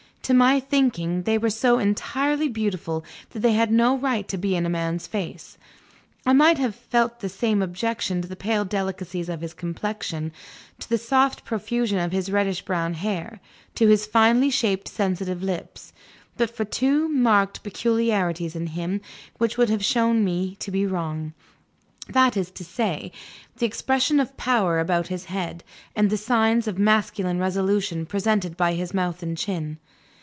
To my thinking, they were so entirely beautiful that they had no right to be in a man's face. I might have felt the same objection to the pale delicacy of his complexion, to the soft profusion of his reddish brown hair, to his finely shaped sensitive lips, but for two marked peculiarities in him which would have shown me to be wrong that is to say: the expression of power about his head, and the signs of masculine resolution presented by his mouth and chin.